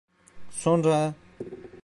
Sonra...